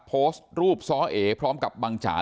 โพสรูปซ้อเอกพร้อมกับบังจ๋านะครับ